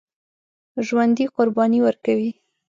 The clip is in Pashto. ژوندي قرباني ورکوي